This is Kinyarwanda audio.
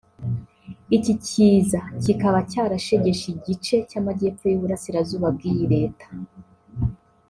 iki kiza kikaba cyarashegeshe igice cy’amajyepfo y’Uburasirazuba bw’iyi Leta